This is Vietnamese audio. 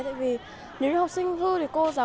tại vì nếu như học sinh vui thì cô giáo